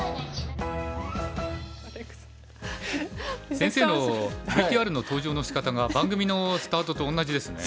先生のＶＴＲの登場のしかたが番組のスタートと同じですね。